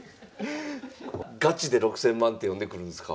ガチで６，０００万手読んでくるんすか？